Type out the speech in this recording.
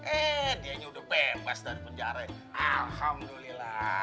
eh dianya udah bebas dari penjara alhamdulillah